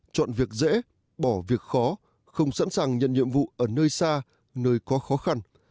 chọn việc dễ bỏ việc khó không sẵn sàng nhận nhiệm vụ ở nơi xa nơi có khó khăn